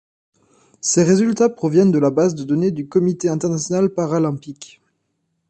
Ces résultats proviennent de la base de données du Comité international paralympique.